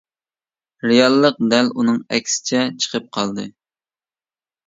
رېئاللىق دەل ئۇنىڭ ئەكسىچە چىقىپ قالدى.